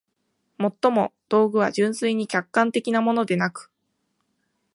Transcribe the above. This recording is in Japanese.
尤も、道具は純粋に客観的なものでなく、